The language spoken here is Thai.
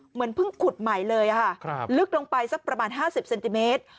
เหมือนเพิ่งขุดใหม่เลยค่ะลึกลงไปสักประมาณ๕๐เซนติเมตร